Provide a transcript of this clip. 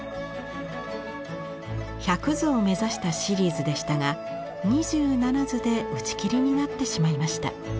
１００図を目指したシリーズでしたが２７図で打ち切りになってしまいました。